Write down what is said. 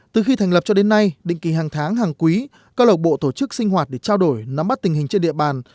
từ khi thành lập cho đến nay định kỳ hàng tháng hàng quý cơ lộc bộ tổ chức sinh hoạt để trao đổi nắm bắt tình hình trên địa bàn